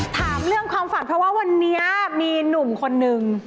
ถามเรื่องความฝันเพราะว่าวันนี้มีหนุ่มคนนึง